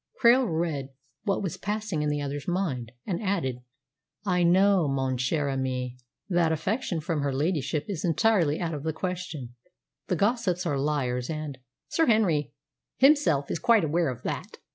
Krail read what was passing in the other's mind, and added, "I know, mon cher ami, that affection from her ladyship is entirely out of the question. The gossips are liars. And " "Sir Henry himself is quite aware of that.